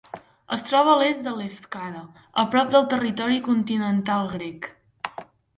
Es troba a l'est de Lefkada, a prop del territori continental grec.